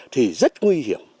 thì rất nguy hiểm